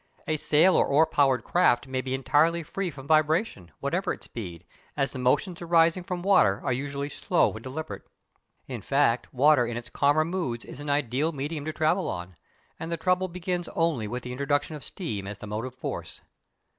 A sail or oar propelled craft may be entirely free from vibration, whatever its speed, as the motions arising from water are usually slow and deliberate. In fact, water in its calmer moods is an ideal medium to travel on, and the trouble begins only with the introduction of steam as motive force.